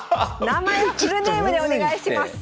名前はフルネームでお願いします。